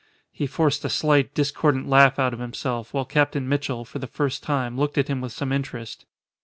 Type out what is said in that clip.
He forced a slight, discordant laugh out of himself, while Captain Mitchell, for the first time, looked at him with some interest.